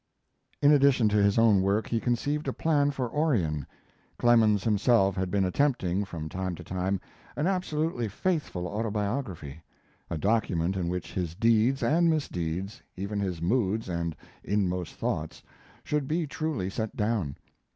In addition to his own work, he conceived a plan for Orion. Clemens himself had been attempting, from time to time, an absolutely faithful autobiography; a document in which his deeds and misdeeds, even his moods and inmost thoughts, should be truly set down.